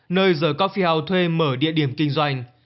nơi the coffee house thuê mở địa điểm kinh doanh